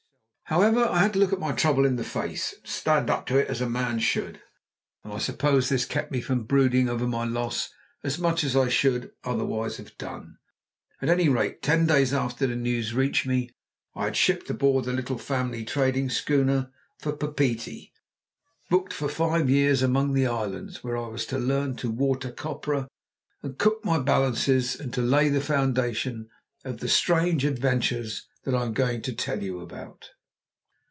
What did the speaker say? However, I had to look my trouble in the face, and stand up to it as a man should, and I suppose this kept me from brooding over my loss as much as I should otherwise have done. At any rate, ten days after the news reached me, I had shipped aboard the Little Emily, trading schooner, for Papeete, booked for five years among the islands, where I was to learn to water copra, to cook my balances, and to lay the foundation of the strange adventures that I am going to tell you about.